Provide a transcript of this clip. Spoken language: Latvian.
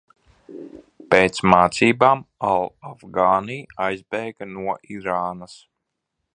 Pēc mācībām al Afgānī aizbēga no Irānas.